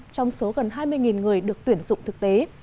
trong số gần hai mươi người được tuyển dụng thực tế